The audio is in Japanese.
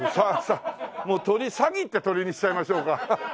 もうサギって鳥にしちゃいましょうか。